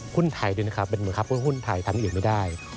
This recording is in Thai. หุ้นไทยด้วยเป็นเหมือนหุ้นไทยทั้งอื่นไม่ได้